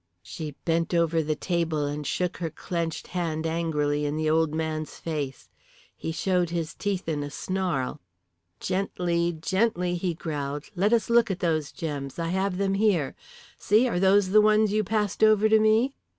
She bent over the table and shook her clenched hand angrily in the old man's face. He showed his teeth in a snarl. "Gently, gently," he growled. "Let us look at those gems. I have them here. See, are those the ones you passed over to me?"